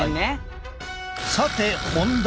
さて本題。